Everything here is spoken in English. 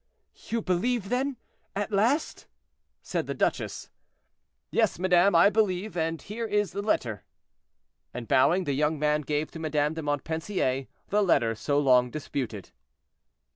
"You believe then, at last?" said the duchess. "Yes, madame, I believe, and here is the letter;" and, bowing, the young man gave to Madame de Montpensier the letter so long disputed.